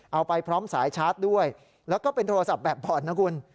เอาไปพร้อมสายชาร์จด้วยแล้วก็เป็นโทรศัพท์แบบผ่อนนะคุณ